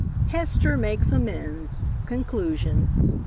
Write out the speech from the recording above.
HESTER MAKES AMENDS CONCLUSION.